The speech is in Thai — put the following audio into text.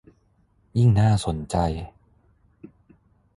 ยิ่งน่าสนใจ